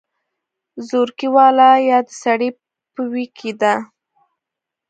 زورکۍ واله يا د سړۍ په ویي کې ده